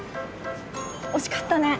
惜しかったね。